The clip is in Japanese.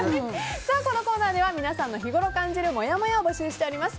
このコーナーでは皆さんの日ごろ感じるもやもやを募集しております。